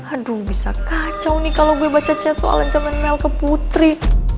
aduh bisa kacau nih kalau gue baca chat soalan jaman melke putri